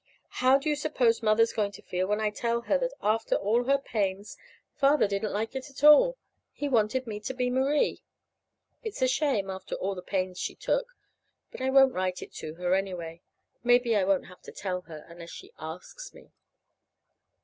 How do you suppose Mother's going to feel when I tell her that after all her pains Father didn't like it at all. He wanted me to be Marie. It's a shame, after all the pains she took. But I won't write it to her, anyway. Maybe I won't have to tell her, unless she asks me.